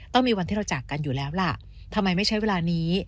ในวันที่เราจากกันอยู่แล้วล่ะทำไมไม่ใช้เวลานี้